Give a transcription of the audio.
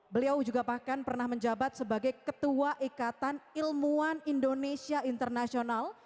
beliau juga bahkan pernah menjabat sebagai ketua ikatan ilmuwan indonesia internasional